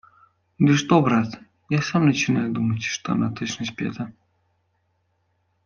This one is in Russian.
Да что, брат, я сам начинаю думать, что она точно спета.